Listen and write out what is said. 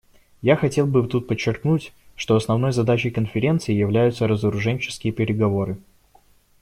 Я хотел бы тут подчеркнуть, что основной задачей Конференции являются разоруженческие переговоры.